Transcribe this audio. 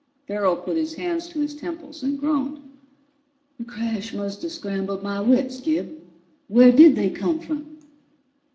Farrell put his hands to his temples and groaned. "The crash must have scrambled my wits. Gib, where did they come from?"